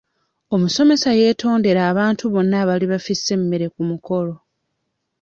Omusomesa yeetondera abantu bonna abaali bafisse emmere ku mukolo.